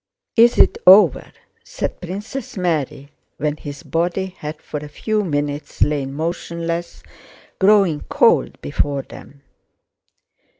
"Is it over?" said Princess Mary when his body had for a few minutes lain motionless, growing cold before them.